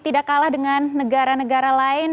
tidak kalah dengan negara negara lain